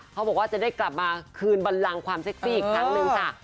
เขาบอกว่าจะได้กลับมาคืนบันลังความเซ็กซี่อีกครั้งหนึ่งค่ะ